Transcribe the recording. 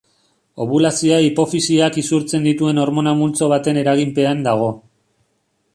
Obulazioa hipofisiak isurtzen dituen hormona multzo baten eraginpean dago.